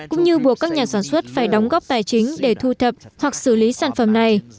cũng như buộc các nhà sản xuất phải đóng góp tài chính để thu thập hoặc xử lý sản phẩm này